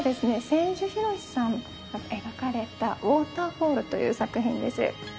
千住博さんが描かれた『ウォーターフォール』という作品です。